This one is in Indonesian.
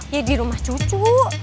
ya di rumah cucu